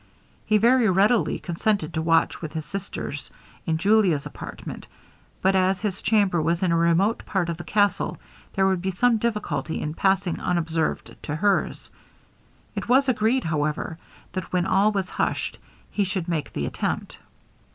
He very readily consented to watch with his sisters in Julia's apartment; but as his chamber was in a remote part of the castle, there would be some difficulty in passing unobserved to her's. It was agreed, however, that when all was hushed, he should make the attempt.